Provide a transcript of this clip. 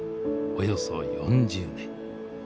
およそ４０年。